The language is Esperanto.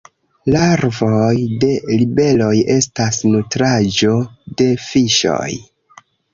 Larvoj de libeloj estas nutraĵo de fiŝoj.